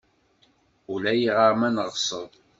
Ulayɣer ma neɣṣeb.